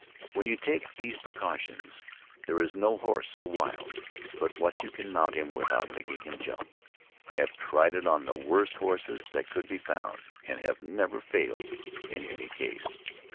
When you take these precautions, there is no horse so wild, but what you can mount him without making him jump. I have tried it on the worst horses that could be found, and have never failed in any case.